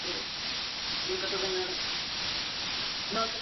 Poco se sabe de su historia.